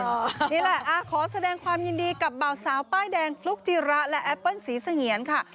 นี่แหละขอแสดงความยินดีกับบ่าวสาวป้ายแดงฟลุ๊กจิระและแอปเปิ้ลศรีเสงียนค่ะ